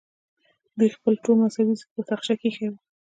دوی خپل ټول مذهبي ضد په تاخچه کې ایښی وي.